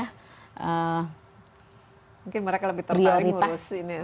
mungkin mereka lebih tertarik ngurus ini